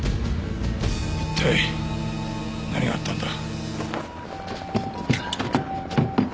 一体何があったんだ？